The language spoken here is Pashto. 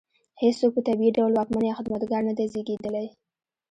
هېڅوک په طبیعي ډول واکمن یا خدمتګار نه دی زېږېدلی.